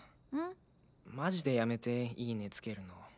マジでやめて「イイね」つけるの。